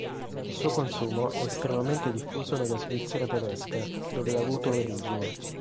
Il suo consumo è estremamente diffuso nella Svizzera tedesca, dove ha avuto origine.